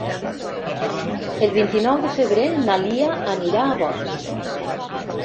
El vint-i-nou de febrer na Lia anirà a Bot.